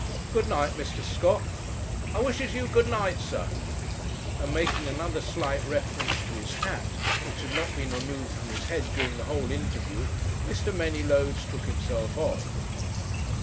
Good night, Mr. Scott. I wishes you good night, sir;' and making another slight reference to his hat, which had not been removed from his head during the whole interview, Mr. Manylodes took himself off.